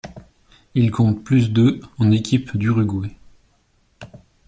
Il compte plus de en équipe d'Uruguay.